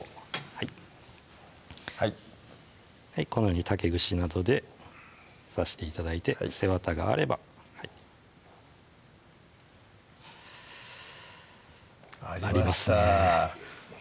はいはいこのように竹串などで刺して頂いて背わたがあればありましたありますね